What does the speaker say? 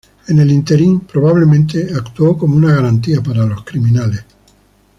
En el ínterin, probablemente actuó como una garantía para los criminales.